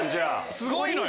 すごいのよ。